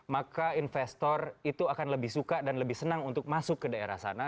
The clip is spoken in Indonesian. maka investor itu akan lebih suka dan lebih senang untuk masuk ke daerah sana